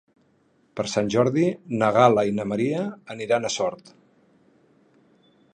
Per Sant Jordi na Gal·la i na Maria aniran a Sort.